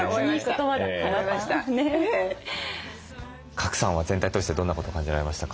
賀来さんは全体通してどんなことを感じられましたか？